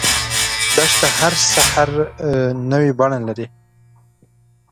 دښته هر سحر نوی بڼه لري.